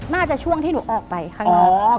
ช่วงที่หนูออกไปข้างนอก